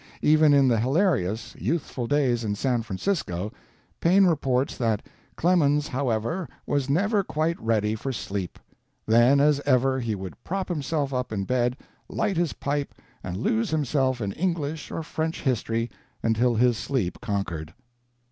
Even in the hilarious, youthful days in San Francisco, Paine reports that "Clemens, however, was never quite ready for sleep. Then, as ever, he would prop himself up in bed, light his pipe, and lose himself in English or French history until his sleep conquered."